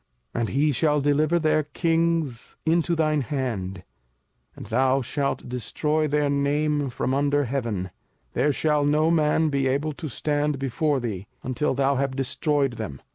05:007:024 And he shall deliver their kings into thine hand, and thou shalt destroy their name from under heaven: there shall no man be able to stand before thee, until thou have destroyed them.